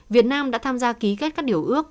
việt nam đã tham gia ký kết các điều ước